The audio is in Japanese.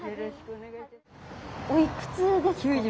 おいくつですか？